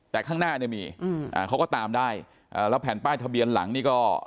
แต่ข้างหน้าเนี่ยมีอืมอ่าเขาก็ตามได้อ่าแล้วแผ่นป้ายทะเบียนหลังนี่ก็